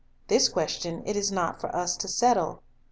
This question it is not for us to settle.